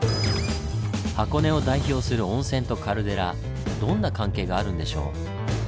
箱根を代表する温泉とカルデラどんな関係があるんでしょう？